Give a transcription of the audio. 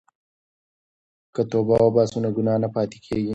که توبه وباسو نو ګناه نه پاتې کیږي.